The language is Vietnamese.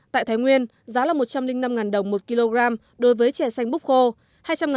tại thái nguyên giá là một trăm linh năm đồng một kg đối với chè xanh búp khô